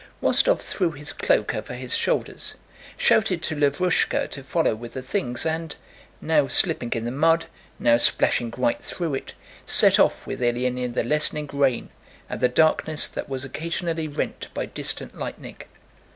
Rostóv threw his cloak over his shoulders, shouted to Lavrúshka to follow with the things, and—now slipping in the mud, now splashing right through it—set off with Ilyín in the lessening rain and the darkness that was occasionally rent by distant lightning.